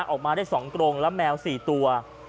ออกมาได้๒กรงและแมว๔ตัว